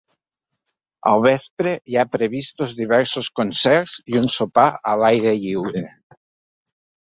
Al vespre hi ha previstos diversos concerts i un sopar a l’aire lliure.